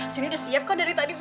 sini udah siap kok dari tadi bu